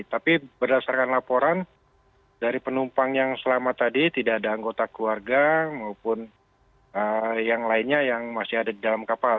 tapi berdasarkan laporan dari penumpang yang selamat tadi tidak ada anggota keluarga maupun yang lainnya yang masih ada di dalam kapal